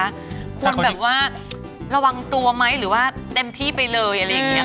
ควรแบบว่าระวังตัวไหมหรือว่าเต็มที่ไปเลยอะไรอย่างนี้